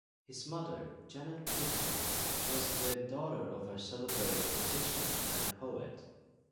His mother, Janet Pitcairn, was the daughter of a celebrated physician and poet.